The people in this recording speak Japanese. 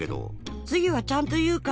つぎはちゃんというから。